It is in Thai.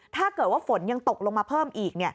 ถ้าเกิดว่าฝนยังตกลงมาเพิ่มอีก